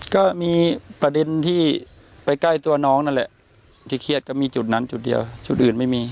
ก็มีประเด็นที่ไปใกล้ตัวน้องนั่นแหละที่เครียดก็มีจุดนั้นจุดเดียวจุดอื่นไม่มี